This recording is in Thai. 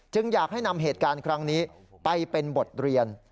อยากให้นำเหตุการณ์ครั้งนี้ไปเป็นบทเรียน